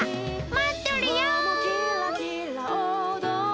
待っとるよ！